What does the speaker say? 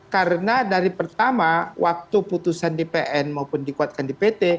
karena dari pertama waktu putusan di pn maupun dikuatkan di pt